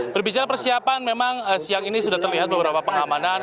berbicara persiapan memang siang ini sudah terlihat beberapa pengamanan